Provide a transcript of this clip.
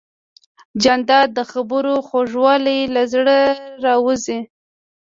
جانداد د خبرو خوږوالی له زړه راوزي.